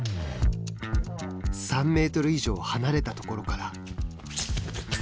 ３メートル以上離れたところから。